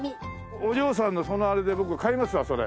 お嬢さんのそのあれで僕買いますわそれ。